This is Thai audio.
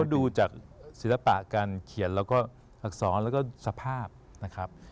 ดูจากศิลปะการเขียนแล้วก็อักษรแล้วก็สภาพนะครับ